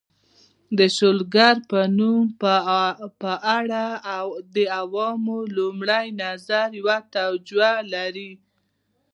د شلګر د نوم په اړه د عوامو لومړی نظر یوه توجیه لري